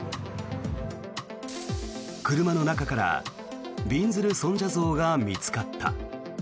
車の中からびんずる尊者像が見つかった。